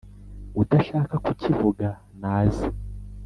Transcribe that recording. udashaka kukivuga naze